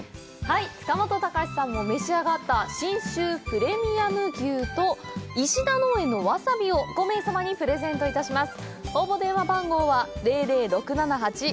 塚本高史さんも召し上がった信州プレミアム牛と石田農園のわさびを５名様にプレゼントします。